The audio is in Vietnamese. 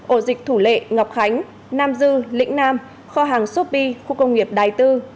ổ dịch thủ lệ ngọc khánh nam dư lĩnh nam kho hàng shopee khu công nghiệp đài tư